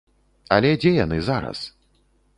Але дзе яны зараз?